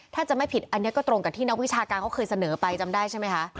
ถ้าจะไม่ผิดอันนี้ก็ตรงกับที่นักวิชาการเขาเคยเสนอไปจำได้ใช่ไหมคะ